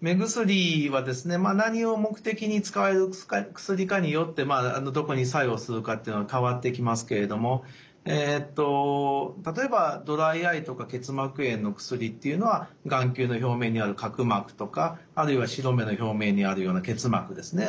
目薬はですね何を目的に使われる薬かによってどこに作用するかっていうのは変わってきますけれども例えばドライアイとか結膜炎の薬っていうのは眼球の表面にある角膜とかあるいは白目の表面にあるような結膜ですね